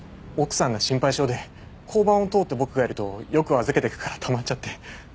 奥さんが心配性で交番を通って僕がいるとよく預けていくからたまっちゃって。